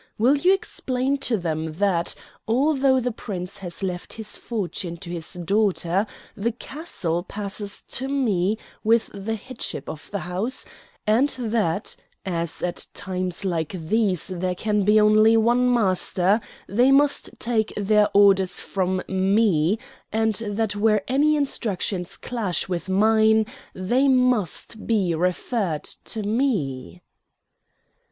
Will you explain to them that, although the Prince has left his fortune to his daughter, the castle passes to me with the headship of the house, and that, as at times like these there can be only one master, they must take their orders from me, and that where any instructions clash with mine they must be referred to me?"